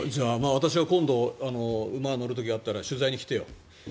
私が今度馬になる時があったら取材に来てよ。